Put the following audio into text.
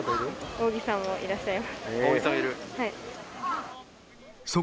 扇さんもいらっしゃいます。